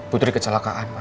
putri kecelakaan ma